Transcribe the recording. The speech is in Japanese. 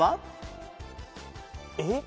えっ？